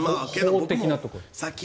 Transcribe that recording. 法的なところ。